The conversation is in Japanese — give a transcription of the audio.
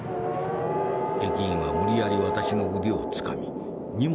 駅員は無理やり私の腕をつかみ荷物